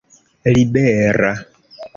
libera